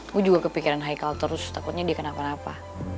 gue juga kepikiran haikal terus takutnya dikenapa napa